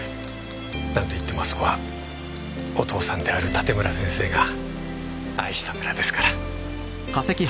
なんといってもあそこはお父さんである盾村先生が愛した村ですから。